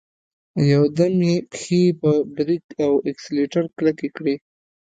يودم يې پښې په بريک او اکسلېټر کلکې کړې.